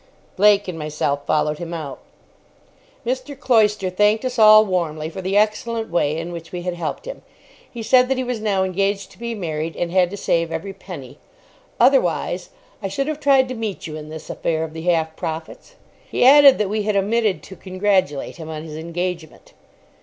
Blake and myself followed him out. Mr. Cloyster thanked us all warmly for the excellent way in which we had helped him. He said that he was now engaged to be married, and had to save every penny. "Otherwise, I should have tried to meet you in this affair of the half profits." He added that we had omitted to congratulate him on his engagement.